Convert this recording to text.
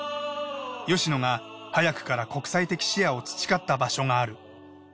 吉野が早くから国際的視野を培った場所がある。